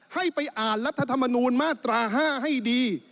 ให้ไปอ่านรัฐธรรมนูลมาตรา๕ให้ดี